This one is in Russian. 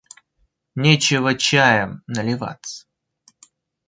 Нечего чаем наливаться.